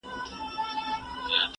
له خالي توپکه دوه کسه بېرېږي.